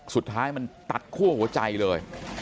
สุดท้ายมันตัดคั่วหัวใจเลย